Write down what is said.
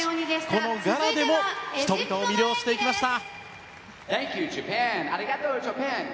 このガラでも人々を魅了していきました。